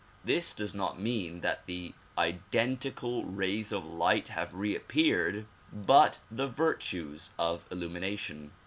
This does not mean that the identical rays of light have reappeared but the virtues of illumination.